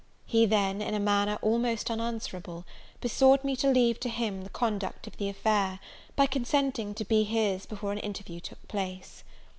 He then, in a manner almost unanswerable, besought me to leave to him the conduct of the affair, by consenting to be his before an interview took place.